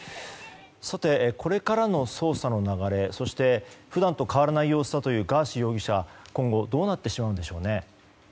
これからの捜査の流れそして、普段と変わらない様子だというガーシー容疑者は今後どうなってしまうんでしょうね。